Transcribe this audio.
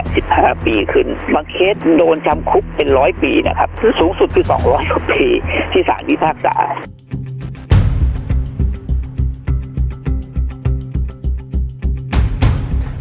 บางเคสโดนจำคุกเป็น๑๐๐ปีนะครับซึ่งสูงสุดคือ๒๐๐ปีที่สารวิภาคสาหรณ์